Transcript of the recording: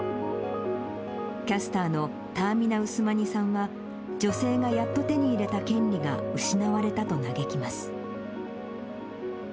キャスターのターミナ・ウスマニさんは、女性がやっと手に入れた権利が失われたと嘆きます。